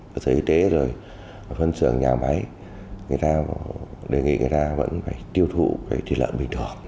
cơ sở y tế phân xưởng nhà máy đề nghị người ta vẫn phải tiêu thụ lợn bình thường